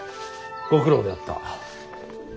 ご苦労であった。